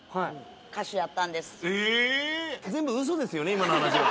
今の話は。